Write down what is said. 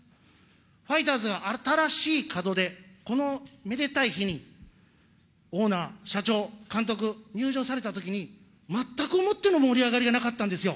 ファイターズの新しい門出、このめでたい日にオーナー、社長、監督、入場されたときに、全くもっての盛り上がりがなかったんですよ。